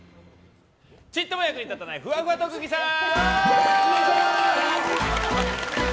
ちっとも役に立たないふわふわ特技さん！